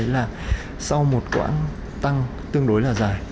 là sau một quãng tăng tương đối là dài